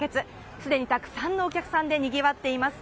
すでにたくさんのお客さんでにぎわっています。